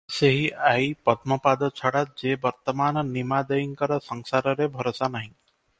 ସେହି ଆଈ ପଦ୍ମପାଦ ଛଡା ଯେ ବର୍ତ୍ତମାନ ନିମା ଦେଈଙ୍କର ସଂସାରରେ ଭରସା ନାହିଁ ।